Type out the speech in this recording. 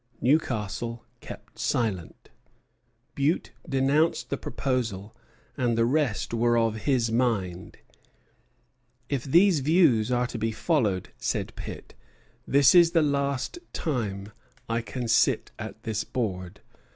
Newcastle kept silent. Bute denounced the proposal, and the rest were of his mind. "If these views are to be followed," said Pitt, "this is the last time I can sit at this board.